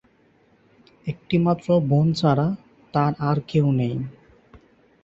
একটি মাত্র বোন ছাড়া তার আর কেউ নেই।